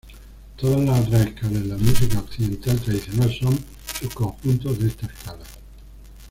Todas las otras escalas en la música occidental tradicional son subconjuntos de esta escala.